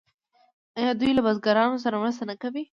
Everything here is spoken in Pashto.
آیا دوی له بزګرانو سره مرسته نه کوي؟